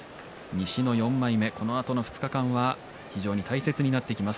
西の４枚目、このあとの２日間は非常に大切になってきます